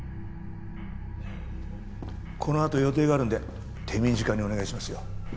このあと予定があるんで手短にお願いしますよ。